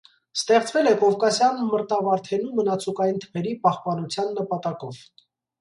Ստեղծվել է կովկասյան մրտավարդենու մնացուկային թփերի պահպանության նպատակով։